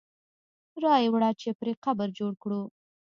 را یې وړه چې پرې قبر جوړ کړو.